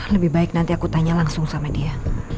lebih baik nanti aku tanya langsung sama dia